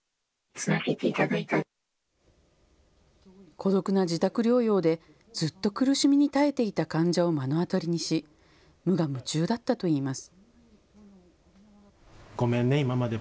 孤独な自宅療養でずっと苦しみに耐えていた患者を目の当たりにし、無我夢中だったといいます。